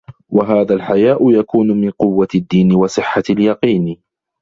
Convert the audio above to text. وَهَذَا الْحَيَاءُ يَكُونُ مِنْ قُوَّةِ الدَّيْنِ وَصِحَّةِ الْيَقِينِ